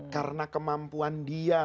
karena kemampuan dia